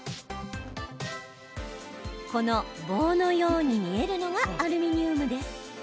この棒のように見えるのがアルミニウムです。